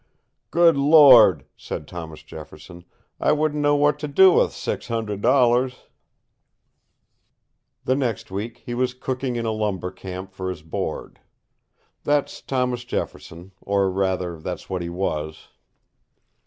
"Good Lord," said Thomas Jefferson, "I wouldn't know what to do with six hundred dollars!" The next week he was cooking in a lumber camp for his board. That's Thomas Jefferson or, rather, that's what he was.